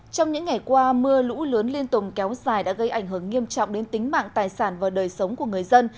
trong những ngày qua mưa lũ lớn liên tùng kéo dài đã gây ảnh hưởng nghiêm trọng đến tính mạng tài sản và đời sống của người dân